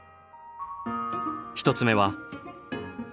１つ目は。